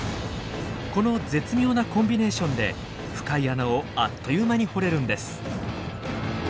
この絶妙なコンビネーションで深い穴をあっという間に掘れるんです。